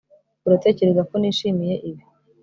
Uratekereza ko nishimiye ibi